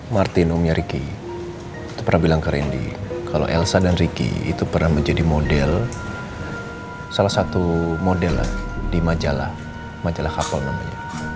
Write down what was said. martin umumnya ricky itu pernah bilang ke rendy kalau elsa dan ricky itu pernah menjadi model salah satu model lah di majalah majalah kapol namanya